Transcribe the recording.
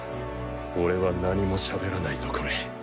俺は何もしゃべらないぞコレ。